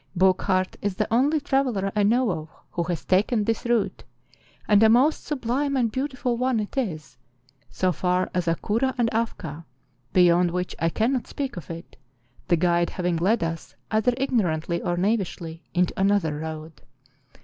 Burckhardt is the only traveller I know of who has taken this route; and a most sublime and beautiful one it is, so far as Akoura and Afka, beyond which I cannot speak of it, the guide having led us, either ignor¬ antly or knavishly, into another road.